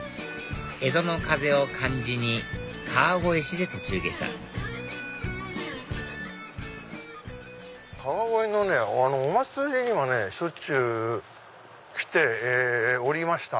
江戸の風を感じに川越市で途中下車川越のねお祭りにはねしょっちゅう来ておりました。